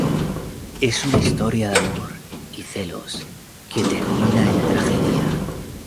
Es una historia de amor y celos que termina en tragedia.